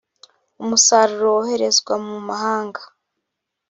umusaruro woherezwa mu mahanga .